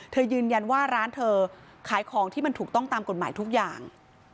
ยืนยันว่าร้านเธอขายของที่มันถูกต้องตามกฎหมายทุกอย่าง